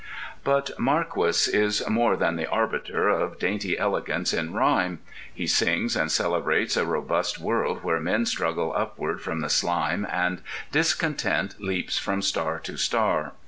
But Marquis is more than the arbiter of dainty elegances in rhyme: he sings and celebrates a robust world where men struggle upward from the slime and discontent leaps from star to star.